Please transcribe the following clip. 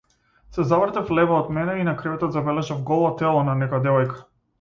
Се завртев лево од мене и на креветот забележав голо тело на некоја девојка.